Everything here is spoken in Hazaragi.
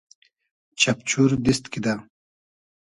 چئپچور دیست کیدۂ